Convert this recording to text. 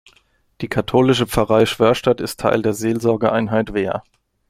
Die Katholische Pfarrei Schwörstadt ist Teil der Seelsorgeeinheit Wehr.